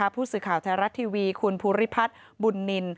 ผู้สื่อข่าวไทยรัฐทีวีคุณภูริพัฒน์บุญนิน